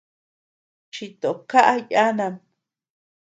Chito kaʼa yanam.